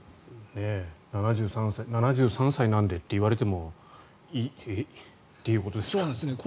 ７３歳なんでって言われてもっていうことですから。